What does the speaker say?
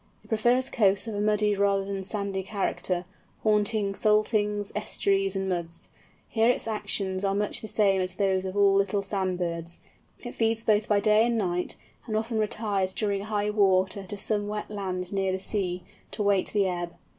It prefers coasts of a muddy rather than a sandy character, haunting saltings, estuaries, and muds. Here, its actions are much the same as those of all these little sand birds; it feeds both by day and night; and often retires during high water to some wet land near the sea, to wait the ebb.